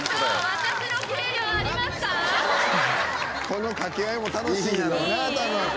この掛け合いも楽しいんやろうな多分。